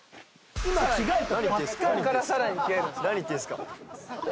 ここからさらに着替えるんですか？